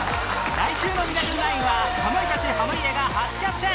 来週の『ミラクル９』はかまいたち濱家が初キャプテン